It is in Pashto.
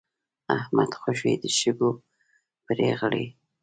احمد خوشی د شګو پړي غړي.